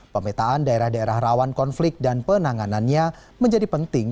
pemetaan daerah daerah rawan konflik dan penanganannya menjadi penting